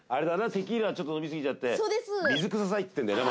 テキーラちょっと飲み過ぎちゃってって言ってんだよね